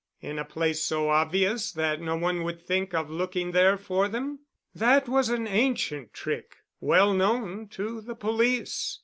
In a place so obvious that no one would think of looking there for them? That was an ancient trick well known to the police.